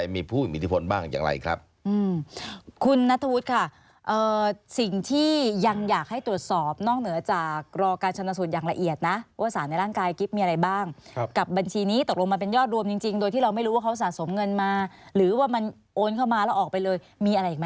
มีอะไรอีกไหมนอกจากสองเรื่องนี้